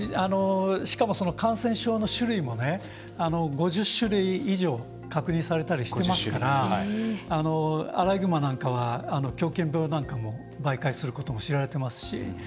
しかも、感染症の種類も５０種類以上確認されたりしていますからアライグマなんかは狂犬病なんかも媒介することも知られていますし。